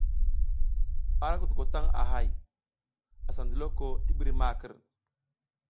A ra kutuko taƞ a hay, asa ndiloko ti ɓiri makər.